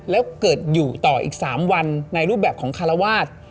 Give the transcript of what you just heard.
แล้วเกิดอยู่ต่ออีก๓วันในรูปแบบของคารวาส